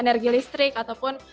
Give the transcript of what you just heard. energi listrik ataupun biaya kenaikan